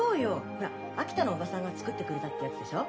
ほら秋田の叔母さんが作ってくれたってやつでしょ？